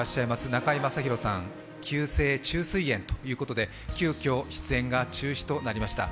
中居正広さん、急性虫垂炎ということで、急きょ出演が中止となりました。